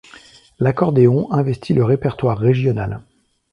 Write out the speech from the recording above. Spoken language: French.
L'accordéon investit le répertoire régional.